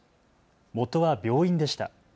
もとは病院でした。